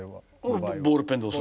ボールペンで押す。